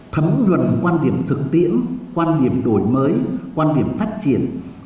thấm luận quan điểm thực tiễn quan điểm đổi mới quan điểm phát triển